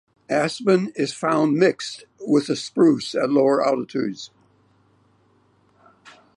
Aspen is found mixed with the spruce at lower altitudes.